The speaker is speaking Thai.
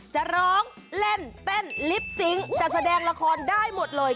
จะร้องเล่นเต้นลิปซิงค์จะแสดงละครได้หมดเลย